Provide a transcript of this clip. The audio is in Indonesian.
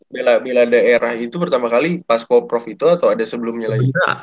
bila daerah itu pertama kali pas ko prof itu atau ada sebelumnya lagi